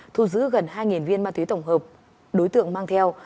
thu giữ gần hai viên ma túy tổng hợp đối tượng mang theo